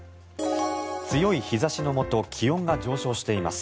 強い日差しのもと気温が上昇しています。